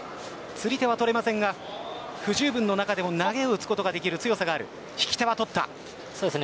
釣り手は取れませんが不十分の中でも投げ打つことができる強さがあります。